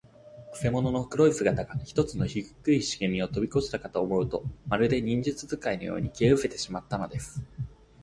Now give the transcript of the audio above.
くせ者の黒い姿が、ひとつの低いしげみをとびこしたかと思うと、まるで、忍術使いのように、消えうせてしまったのです。